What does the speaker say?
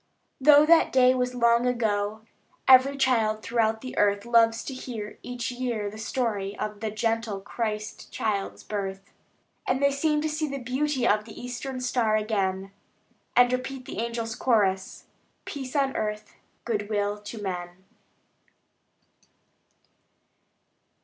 Though that day was long ago, Every child throughout the earth Loves to hear each year the story Of the gentle Christ Child's birth. And they seem to see the beauty Of the eastern star again; And repeat the angels' chorus: "Peace on earth, good will to men."